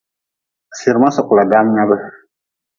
Sirma sKHkla daam nyab.